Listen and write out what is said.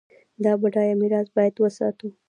دا بډایه میراث باید وساتو.